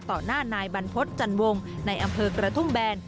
หน้านายบรรพฤษจันวงในอำเภอกระทุ่มแบน